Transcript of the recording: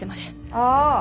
ああ。